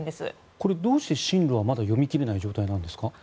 これ、どうして進路はまだ読み切れない状態なんですか？